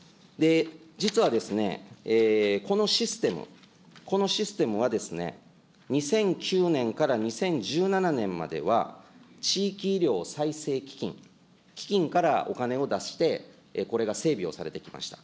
実はこのシステム、このシステムはですね、２００９年から２０１７年までは、地域医療再生基金、基金からお金を出して、これが整備をされてきました。